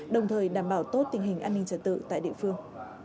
đồng thời đảm bảo tốt tình hình an ninh trật tự tại địa phương